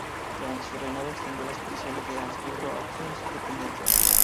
Durante su reinado extendió las posesiones de los Habsburgo a Austria y sus dependencias.